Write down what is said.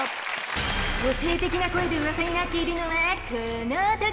個性的な声でウワサになっているのはこの男！